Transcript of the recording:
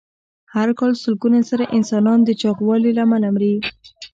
هر کال سلګونه زره انسانان د چاغوالي له امله مري.